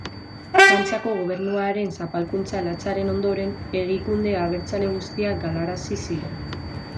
Frantziako gobernuaren zapalkuntza latzaren ondoren, higikunde abertzale guztiak galarazi ziren.